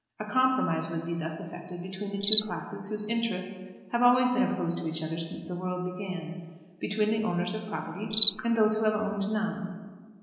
A compromise would be thus effected between the two classes whose interests have always been opposed to each other since the world began, between the owners of property and those who have owned none.